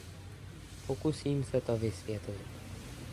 Pokusím se to vysvětlit.